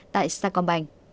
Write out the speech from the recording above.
tại sài gòn